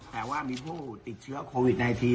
แต่ว่ามีผู้ติดเชื้อโควิด๑๙